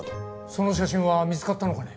その写真は見つかったのかね？